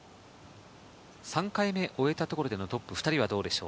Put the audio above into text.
３回目を終えたところでのトップ２人はどうでしょう。